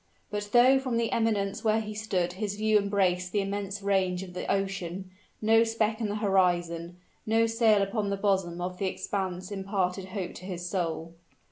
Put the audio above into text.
But though from the eminence where he stood his view embraced the immense range of the ocean, no speck in the horizon no sail upon the bosom of the expanse imparted hope to his soul.